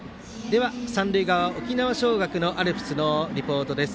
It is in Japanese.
三塁側、沖縄尚学のアルプスのリポートです。